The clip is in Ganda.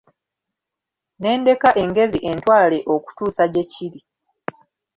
Ne ndeka engezi entwale okuntuusa gye kiri .